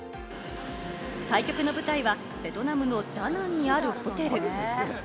対局の舞台はベトナムのダナンにあるホテル。